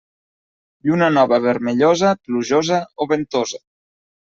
Lluna nova vermellosa, plujosa o ventosa.